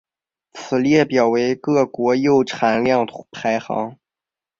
此列表为各国铀产量排行。